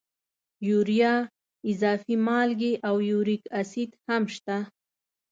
یوریا، اضافي مالګې او یوریک اسید هم شته.